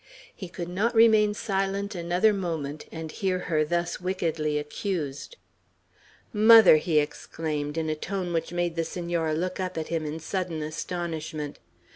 He could not remain silent another moment, and hear her thus wickedly accused. "Mother!" he exclaimed, in a tone which made the Senora look up at him in sudden astonishment.